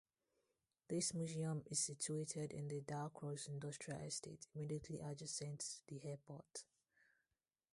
This museum is situated in the Dalcross Industrial Estate immediately adjacent to the airport.